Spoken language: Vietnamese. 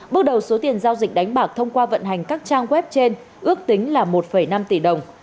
bước đầu số tiền giao dịch đánh bạc thông qua vận hành các trang web trên ước tính là một năm tỷ đồng